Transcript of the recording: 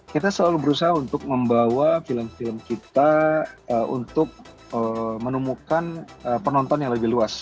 kita selalu berusaha untuk membawa film film kita untuk menemukan penonton yang lebih luas